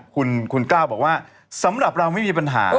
คุณก้าวบอกว่าสำหรับเราไม่มีปัญหา